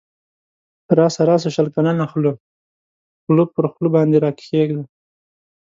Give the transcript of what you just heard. راسه راسه شل کلنی خوله خوله پر خوله باندی راکښېږده